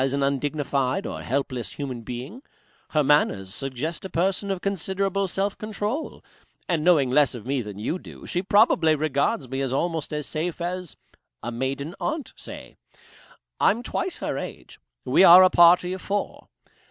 as an undignified or helpless human being. Her manners suggest a person of considerable self control. And knowing less of me than you do, she probably regards me as almost as safe as a maiden aunt say. I'm twice her age. We are a party of four.